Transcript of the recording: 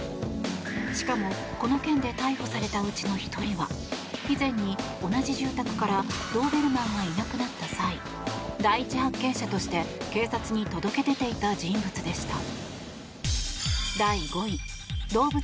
しかも、この件で逮捕されたうちの１人は以前に同じ住宅からドーベルマンがいなくなった際第一発見者として警察に届け出ていた人物でした。